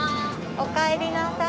おかえりなさい。